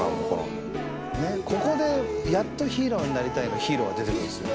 ここでやっと「ヒーローになりたい」の「ヒーロー」が出てくるんすよ。